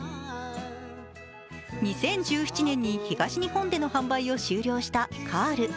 ２０１７年に東日本での販売を終了したカール。